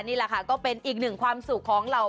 นี่แหละค่ะก็เป็นอีกหนึ่งความสุขของเรา